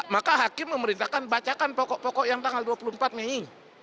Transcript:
maka hakim memerintahkan bacakan pokok pokok yang tanggal dua puluh empat mei